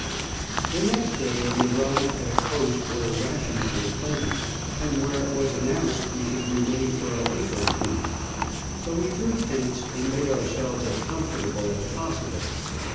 The next day we arrived at a post where rations were plenty, and where it was announced we should remain for a week or two, so we drew tents and made ourselves as comfortable as possible.